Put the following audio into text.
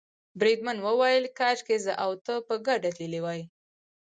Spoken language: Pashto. بریدمن وویل کاشکې زه او ته په ګډه تللي وای.